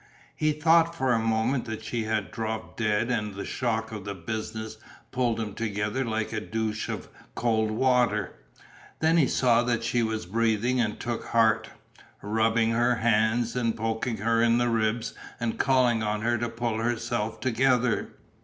He thought for a moment that she had dropped dead and the shock of the business pulled him together like a douche of cold water. Then he saw that she was breathing and took heart, rubbing her hands and poking her in the ribs and calling on her to pull herself together.